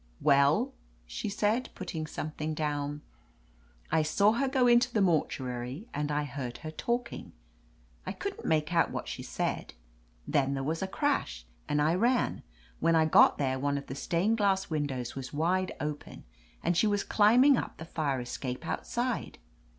Well ?" she said, putting something down. 1 saw her go into the mortuary, and I heard her talking; I couldn't make out what she said. Then there was a crash, and I ran. When I got there one of the stained glass win dows was wide open, and she was climbing up the fire escape outside.